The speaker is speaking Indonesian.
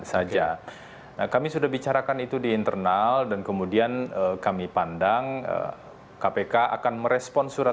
saja kami sudah bicarakan itu di internal dan kemudian kami pandang kpk akan merespon surat